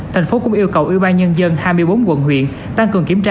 tp hcm cũng yêu cầu ủy ban nhân dân hai mươi bốn quận huyện tăng cường kiểm tra